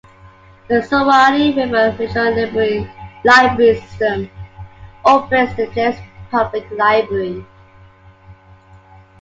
The Suwannee River Regional Library System operates the Jennings Public Library.